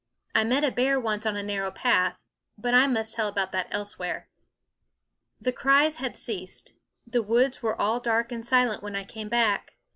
I met a bear once on a narrow path but I must tell about that elsewhere. The cries had ceased; the woods were all dark and silent when I came back.